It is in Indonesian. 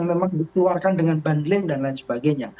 memang dikeluarkan dengan bundling dan lain sebagainya